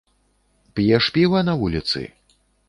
П'еш піва на вуліцы?